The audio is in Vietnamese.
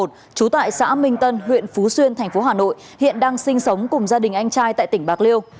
trú tại xã minh tân huyện phú xuyên thành phố hà nội hiện đang sinh sống cùng gia đình anh trai tại tỉnh bạc liêu